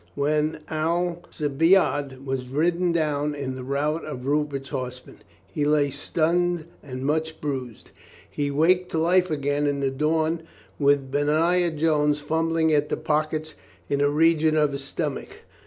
When Alci biade was ridden down in the route of Rupert's horsemen he lay stunned and much bruised. He waked to life again in the dawn with Benaiah Jones fumbling at the pockets in the region of his stom ach.